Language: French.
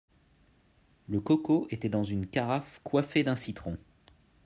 Le coco était dans une carafe coiffée d'un citron.